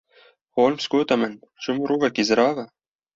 Holmes, gote min: Çi mirovekî zirav e.